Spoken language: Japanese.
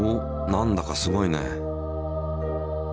なんだかすごいね。